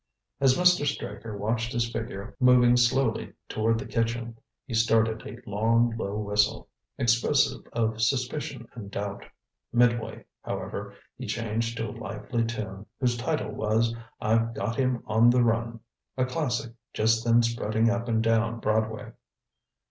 As Mr. Straker watched his figure moving slowly toward the kitchen, he started a long low whistle, expressive of suspicion and doubt. Midway, however, he changed to a lively tune whose title was "I've got him on the run" a classic just then spreading up and down Broadway.